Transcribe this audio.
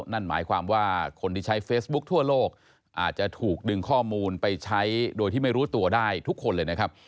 นั่นหมายความว่าคนที่ใช้เฟซบุ๊คทั่วโลกอาจจะถูกดึงข้อมูลไปใช้โดยที่ไม่รู้ตัวได้ทุกคนเลยนะครับ